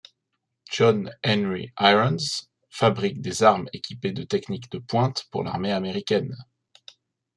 John Henry Irons fabrique des armes équipées de techniques de pointe pour l'armée américaine.